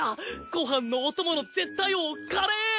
ご飯のお供の絶対王カレー！